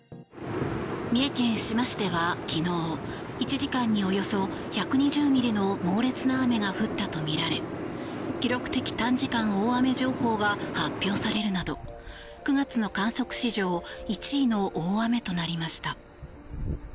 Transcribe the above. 三重県志摩市では昨日１時間におよそ１２０ミリの猛烈な雨が降ったとみられ記録的短時間大雨情報が発表されるなど９月の観測史上１位の大雨となりました。